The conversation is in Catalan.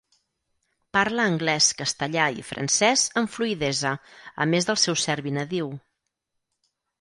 Parla anglès, castellà i francès amb fluïdesa, a més del seu serbi nadiu.